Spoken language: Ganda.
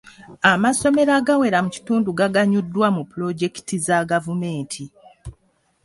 Amasomero agawera mu kitundu gaganyuddwa mu pulojekiti za gavumenti.